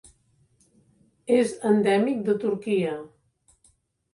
És endèmic de Turquia.